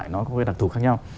nó có cái đặc thù khác nhau